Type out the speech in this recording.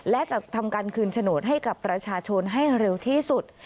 และจะทำการคืนโฉนดให้กับประชาชนให้เร็วที่สุด